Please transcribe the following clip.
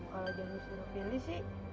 kalau jangan disuruh pilih sih